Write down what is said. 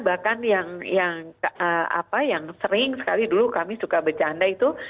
bahkan yang sering sekali dulu kami suka bercanda itu